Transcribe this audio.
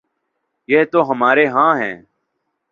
یہ تو ہمارے ہاں ہے۔